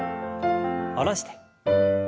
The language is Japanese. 下ろして。